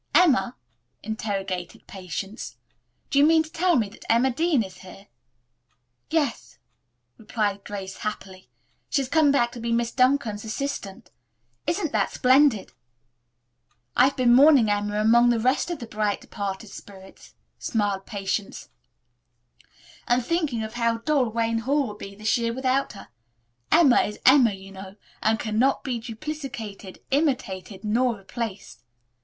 "Emma?" interrogated Patience. "Do you mean to tell me that Emma Dean is here?" "Yes," replied Grace happily. "She's come back to be Miss Duncan's assistant. Isn't that splendid?" "I've been mourning Emma among the rest of the bright departed spirits," smiled Patience, "and thinking of how dull Wayne Hall will be this year without her. Emma is Emma, you know, and cannot be duplicated, imitated nor replaced.